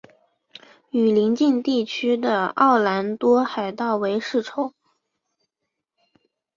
与邻近地区的奥兰多海盗为世仇。